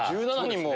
１７人も。